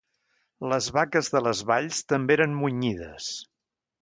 Les vaques de les valls també eren munyides.